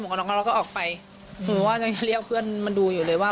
ไม่เห็นแล้วค่ะ